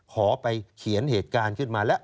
ขอไปเขียนเหตุการณ์ขึ้นมาแล้ว